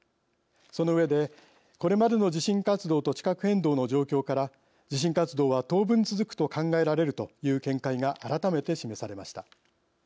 その上で、これまでの地震活動と地殻変動の状況から地震活動は当分続くと考えられるという見解が改めて示されました。